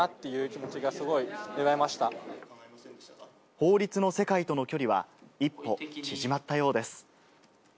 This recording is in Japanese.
法律の世界との距離は一歩縮まったようです。